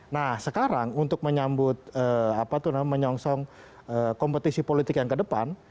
nah sekarang untuk menyambut apa itu namanya menyongsong kompetisi politik yang ke depan